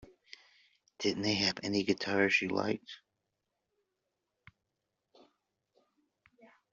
Didn't they have any guitars you liked?